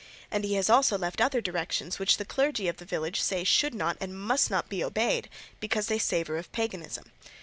And he has also left other directions which the clergy of the village say should not and must not be obeyed because they savour of paganism.